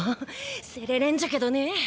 せれれんっちゃけどね？